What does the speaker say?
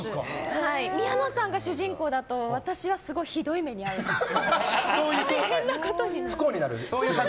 宮野さんが主人公だと私はすごいひどい目に遭うんです。